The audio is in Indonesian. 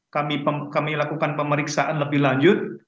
kami lakukan pemeriksaan lebih lanjut